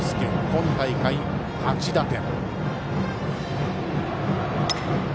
今大会、８打点。